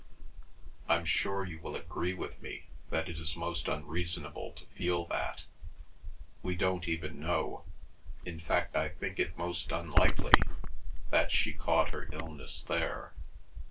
I'm sure you will agree with me that it is most unreasonable to feel that. We don't even know—in fact I think it most unlikely—that she caught her illness there.